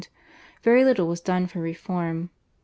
very little was done for reform.